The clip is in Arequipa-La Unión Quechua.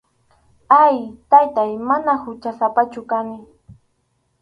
Ay, Taytáy, manam huchasapachu kani.